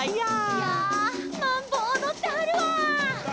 「いゃあマンボおどってはるわ」